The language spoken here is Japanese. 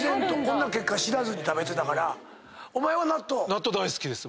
納豆大好きです。